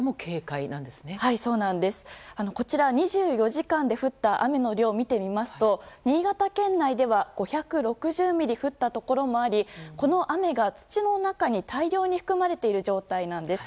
２４時間で降った雨の量を見てみますと新潟県内では５６０ミリ降ったところもありこの雨が土の中に大量に含まれている状態なんです。